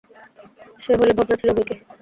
সে হইলে ভাবনা ছিল বৈকি।